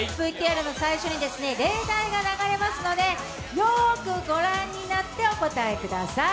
ＶＴＲの最初に例題が流れますのでよくご覧になってお答えください。